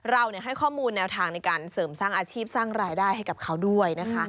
เราให้ข้อมูลแนวทางในการเสริมสร้างอาชีพสร้างรายได้ให้กับเขาด้วยนะคะ